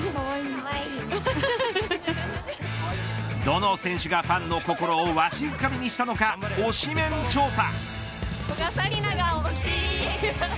どの選手がファンの心をわしづかみにしたのか推しメン調査。